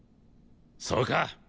そうか。